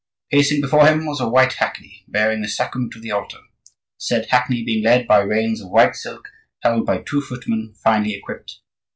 Pacing before him was a white hackney, bearing the sacrament of the altar,—the said hackney being led by reins of white silk held by two footmen finely equipped.